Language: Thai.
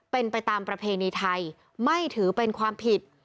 เป็นไปตามประเพณีไทยไม่ถือเป็นความผิด